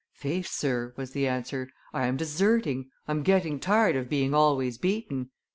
"Faith, sir," was the answer, "I am deserting; I'm getting tired of being always beaten."